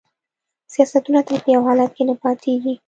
سیاستونه تل په یو حالت کې نه پاتیږي